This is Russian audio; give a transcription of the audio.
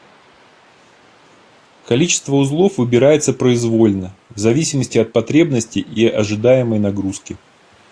Количество узлов выбирается произвольно, в зависимости от потребностей и ожидаемой нагрузки